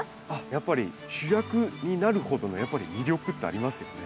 やっぱり主役になるほどのやっぱり魅力ってありますよね。